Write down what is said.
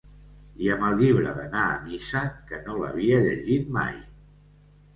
I amb el llibre d'anar a missa, que no l'havia llegit mai